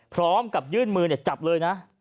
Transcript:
พร้อมกับยื่นมือจับเลยนะ